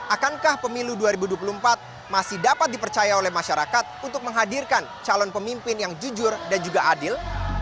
akankah pemilu dua ribu dua puluh empat masih dapat dipercaya oleh masyarakat untuk menghadirkan calon pemimpin yang jujur dan juga adil